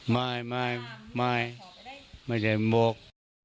ไม่ไม่ใช่มก